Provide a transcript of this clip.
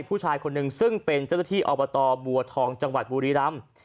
ผู้ชายคนหนึ่งซึ่งเป็นเจ้าหน้าที่อบตบัวทองจังหวัดบุรีรำ